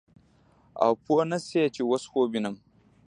او پوه نه سې چې اوس خوب وينم.